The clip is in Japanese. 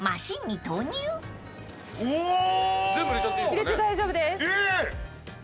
入れて大丈夫です。